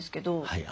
はい。